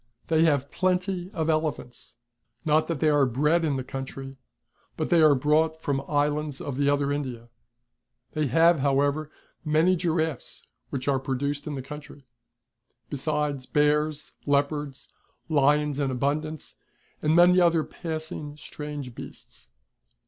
They have plenty of elephants, not that they are bred in the country, but they are brought from the Islands of the other India. They have however many giraffes, which are produced in the country ; besides bears, leopards, lions in abuntlance. and many other passing strange beasts.